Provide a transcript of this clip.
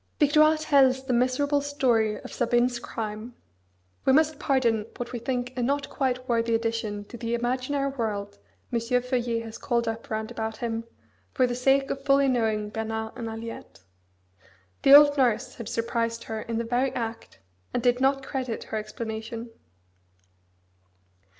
Victoire tells the miserable story of Sabine's crime we must pardon what we think a not quite worthy addition to the imaginary world M. Feuillet has called up round about him, for the sake of fully knowing Bernard and Aliette. The old nurse had surprised her in the very act, and did not credit her explanation.